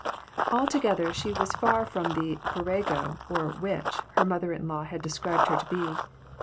Altogether she was far from the virago or "witch" her mother in law had described her to be.